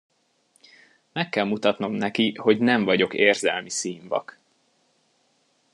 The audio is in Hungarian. Meg kell mutatnom neki, hogy nem vagyok érzelmi színvak.